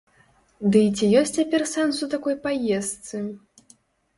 Дый ці ёсць цяпер сэнс у такой паездцы?